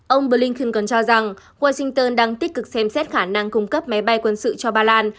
ông blinken cho rằng washington đang tích cực xem xét khả năng cung cấp máy bay quân sự cho ba lan